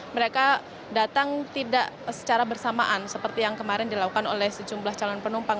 mereka datang tidak secara bersamaan seperti yang kemarin dilakukan oleh sejumlah calon penumpang